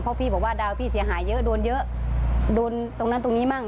เพราะพี่บอกว่าดาวพี่เสียหายเยอะโดนเยอะโดนตรงนั้นตรงนี้มั่ง